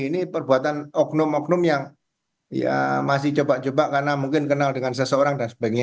ini perbuatan oknum oknum yang masih coba coba karena mungkin kenal dengan seseorang dan sebagainya